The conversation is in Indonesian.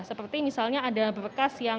seperti misalnya ada berkas yang